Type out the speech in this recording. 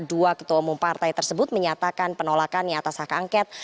dua ketua umum partai tersebut menyatakan penolakannya atas hak angket